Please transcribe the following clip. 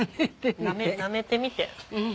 舐めてみて。